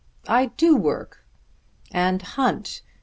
"I do work." "And hunt.